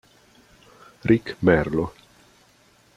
Rick Merlo